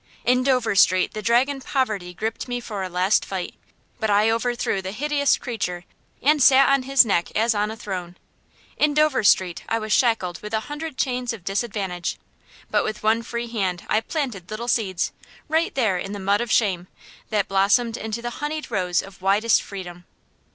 In Dover Street the dragon poverty gripped me for a last fight, but I overthrew the hideous creature, and sat on his neck as on a throne. In Dover Street I was shackled with a hundred chains of disadvantage, but with one free hand I planted little seeds, right there in the mud of shame, that blossomed into the honeyed rose of widest freedom.